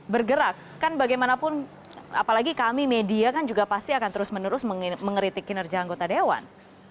bergerak kan bagaimanapun apalagi kami media kan juga pasti akan terus menerus mengeritik kinerja anggota dewan